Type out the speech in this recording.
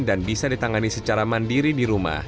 dan bisa ditangani secara mandiri di rumah